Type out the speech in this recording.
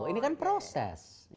ini kan proses